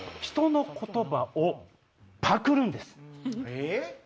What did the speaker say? えっ？